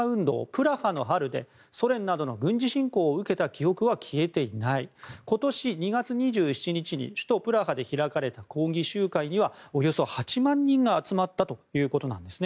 プラハの春でソ連などの軍事侵攻を受けた記憶は消えていない今年２月２７日に首都プラハで開かれた抗議集会にはおよそ８万人が集まったということです。